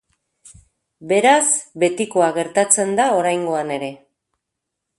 Beraz, betikoa gertatzen da oraingoan ere.